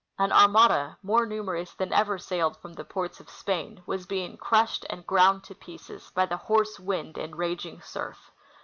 An Armada, more numerous than ever sailed from the ports of Spain, Avas being crushed and ground to pieces by the hoarse Avind and raging surf.